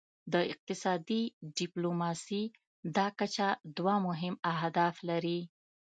د اقتصادي ډیپلوماسي دا کچه دوه مهم اهداف لري